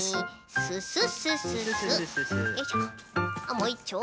もういっちょ。